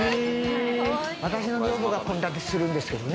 私の女房が献立するんですけれどもね。